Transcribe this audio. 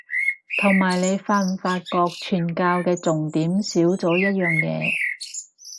同埋你發唔發覺傳教嘅重點少咗一樣嘢